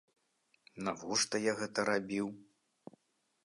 Навошта я гэта рабіў?